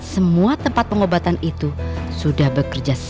semua tempat pengobatan itu sudah bekerja sama